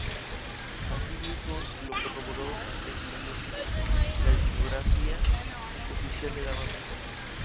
Asimismo lo corroboró Emi Music, la discografía oficial de la banda.